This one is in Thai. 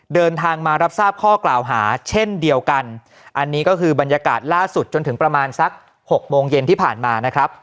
เดินทางมารับทราบข้อกล่าวหาเช่นเดียวกันอันนี้ก็คือบรรยากาศล่าสุดจนถึงประมาณสักหกโมงเย็นที่ผ่านมานะครับ